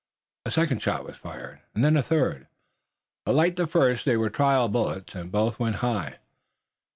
A second shot was fired soon, and then a third, but like the first they were trial bullets and both went high.